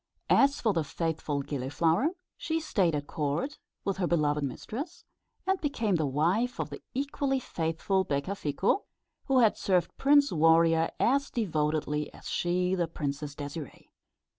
As for the faithful Gilliflower, she stayed at court, with her beloved mistress, and became the wife of the equally faithful Becafico, who had served Prince Warrior as devotedly as she the Princess Désirée.